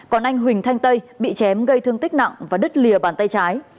còn anh huỳnh thanh tây bị chém gây thương tích nặng và đứt lìa bàn tay trái